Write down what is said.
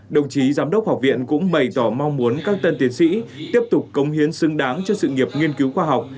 đồng chí giám đốc học viện cũng bày tỏ mong muốn các tân tiến sĩ tiếp tục công hiến xứng đáng cho sự nghiệp nghiên cứu khoa học